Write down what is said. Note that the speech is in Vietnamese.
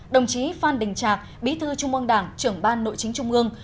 đồng chí phan đình trạc bí thư trung hoàng đảng trưởng ban nội chính trung mương